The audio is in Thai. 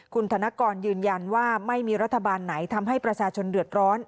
คุณธนกรยืนยันว่าไม่มีรัฐบาลไหนทำให้ประชาชนเดือดร้อน